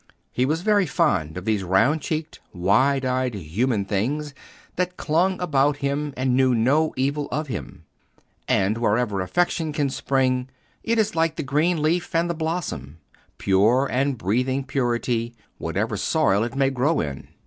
He was very fond of these round cheeked, wide eyed human things that clung about him and knew no evil of him. And wherever affection can spring, it is like the green leaf and the blossom—pure, and breathing purity, whatever soil it may grow in.